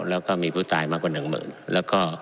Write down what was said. แล้วก็มีผู้ตายมากกว่าหนึ่งหมื่นแล้วก็